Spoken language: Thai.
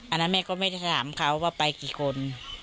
อันนั้นแม่ก็ไม่ได้ถามเขาว่าไปกี่คน